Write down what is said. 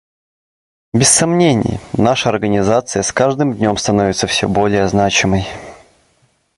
Без сомнений, наша Организация с каждым днем становится все более значимой.